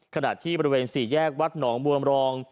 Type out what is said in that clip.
ขณะที่บริเวณ๔แยกวัดหนองบัวมรอง